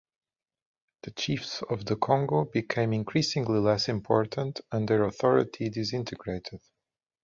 The chiefs of the Kongo became increasingly less important and their authority disintegrated.